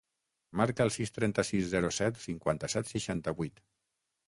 Marca el sis, trenta-sis, zero, set, cinquanta-set, seixanta-vuit.